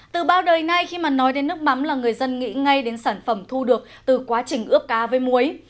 từ bao đời nay khi mà nói đến nước mắm là người dân nghĩ ngay đến sản phẩm thu được từ quá trình ướp cá với muối